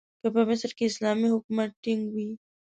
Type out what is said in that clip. که په مصر کې اسلامي حکومت ټینګ وي.